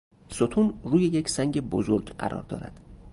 ستون روی یک سنگ بزرگ قرار دارد.